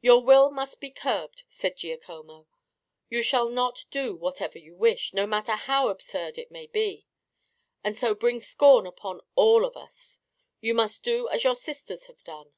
"Your will must be curbed," said Giacomo. "You shall not do whatever you wish, no matter how absurd it may be, and so bring scorn upon all of us. You must do as your sisters have done."